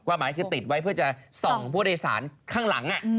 หมายคือติดไว้เพื่อจะส่องผู้โดยสารข้างหลัง